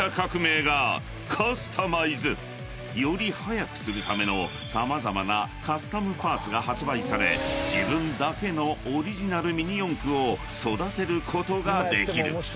［より速くするための様々なカスタムパーツが発売され自分だけのオリジナルミニ四駆を育てることができる］